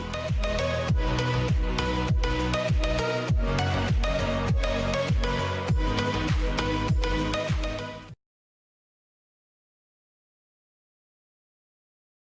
pada saat ini jinks dari praktek film telapak stereuntu yang telah disugrei oleh jfc